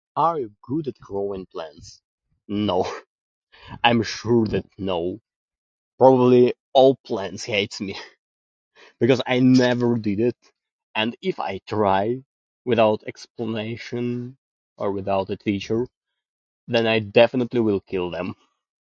Are you good at growing plants? No. I'm sure that no. Probably all plants hate me. Because I never did it. And if I try without explanation, or without a teacher, then I definitely will kill them.